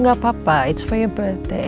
nggak papa it's for your birthday